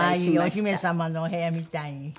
お姫様のお部屋みたいに。